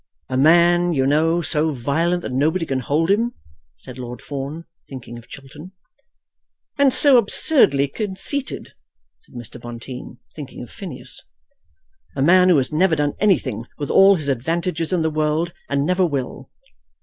"A man, you know, so violent that nobody can hold him," said Lord Fawn, thinking of Chiltern. "And so absurdly conceited," said Mr. Bonteen, thinking of Phineas. "A man who has never done anything, with all his advantages in the world, and never will."